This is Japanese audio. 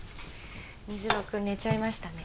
虹朗君寝ちゃいましたね